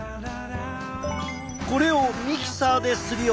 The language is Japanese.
これをミキサーですりおろし。